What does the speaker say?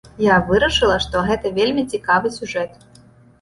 Я вырашыла, што гэта вельмі цікавы сюжэт.